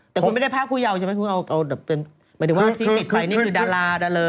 แต่คุณไม่ได้ภาพผู้เยาว์ใช่ไหมคุณเอาแบบหมายถึงว่าที่ติดไปนี่คือดาราดาเลอ